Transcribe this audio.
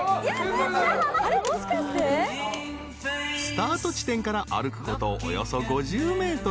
［スタート地点から歩くことおよそ５０ｍ］